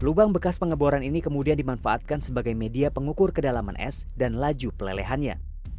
lubang bekas pengeboran ini kemudian dimanfaatkan sebagai media pengukur kedalaman es dan laju pelelehannya